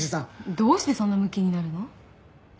どうしてそんなムキになるの？